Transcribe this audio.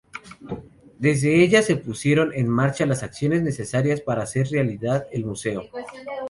Desde ella se pusieron en marcha las acciones necesarias para hacer realidad el Museo.